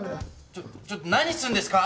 ちょっちょっと何するんですか！？